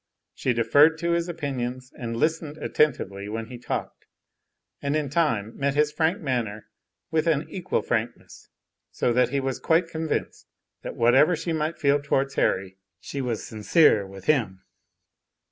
She deferred to his opinions, and listened attentively when he talked, and in time met his frank manner with an equal frankness, so that he was quite convinced that whatever she might feel towards Harry, she was sincere with him.